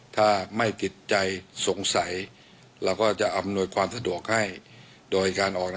ถ้าไม่ติดใจสงสัย